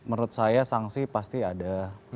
menurut saya sanksi pasti ada